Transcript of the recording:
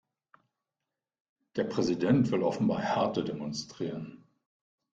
Der Präsident will offenbar Härte demonstrieren.